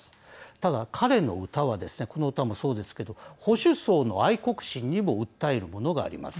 ただ彼の歌はですねこの歌もそうですけど保守層の愛国心にも訴えるものがあります。